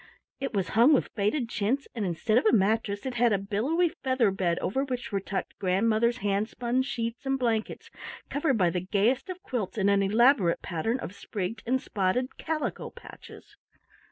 It was hung with faded chintz, and instead of a mattress it had a billowy feather bed over which were tucked grandmother's hand spun sheets and blankets covered by the gayest of quilts in an elaborate pattern of sprigged and spotted calico patches.